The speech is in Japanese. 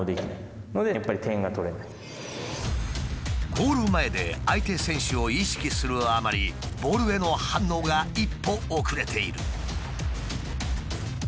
ゴール前で相手選手を意識するあまりボールへの反応が一歩遅れている。